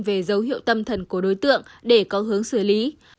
về dấu hiệu tâm thần của đối tượng để có hướng xử lý